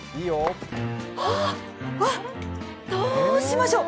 わっ、どうしましょう。